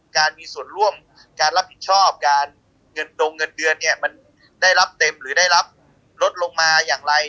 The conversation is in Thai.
การมีส่วนร่วมการรับผิดชอบการเงินตรงเงินเดือนเนี่ยมันได้รับเต็มหรือได้รับลดลงมาอย่างไร